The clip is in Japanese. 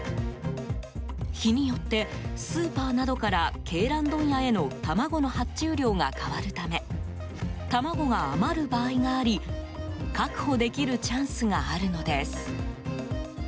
日によって、スーパーなどから鶏卵問屋への卵の発注量が変わるため卵が余る場合があり確保できるチャンスがあるのです。